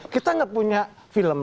kita gak punya film